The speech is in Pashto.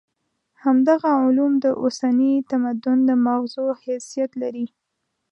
همدغه علوم د اوسني تمدن د ماغزو حیثیت لري.